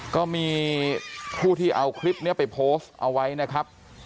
ก็มีผู้ที่เอาคลิปนี้ไปโพสต์เอาไว้นะครับ